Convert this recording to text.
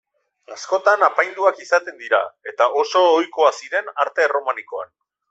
Askotan apainduak izaten dira eta oso ohikoa ziren arte erromanikoan.